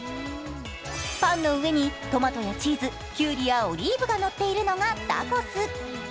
パンの上にトマトやチーズ、きゅうりやオリーブがのっているのがダコス。